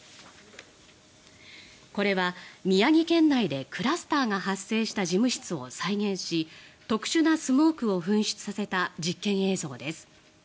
これは宮城県内でクラスターが発生した事務室を再現し特殊なスモークを噴出させた実験映像です。